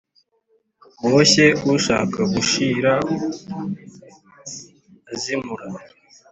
Boshye ushaka gushira azimura